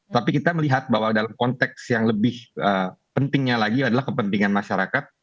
tapi kita melihat bahwa dalam konteks yang lebih pentingnya lagi adalah kepentingan masyarakat